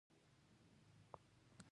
یو قوي متمرکز نظام یې جوړ کړ.